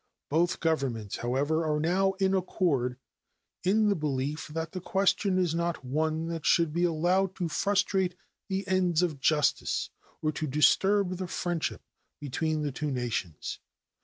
Both Governments, however, are now in accord in the belief that the question is not one that should be allowed to frustrate the ends of justice or to disturb the friendship between the two nations.